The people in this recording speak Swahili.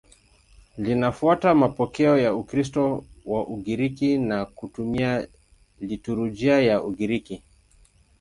Linafuata mapokeo ya Ukristo wa Ugiriki na kutumia liturujia ya Ugiriki.